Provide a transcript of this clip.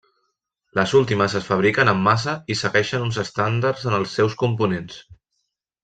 Les últimes es fabriquen en massa i segueixen uns estàndards en els seus components.